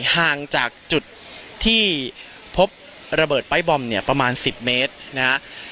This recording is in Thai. ห่างจากจุดที่พบระเบิดปลายบอมเนี่ยประมาณ๑๐เมตรนะฮะ